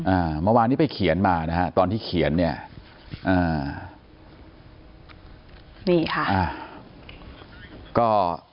อ่าเมื่อวานนี้ไปเขียนมานะฮะตอนที่เขียนเนี่ยอ่านี่ค่ะอ่าก็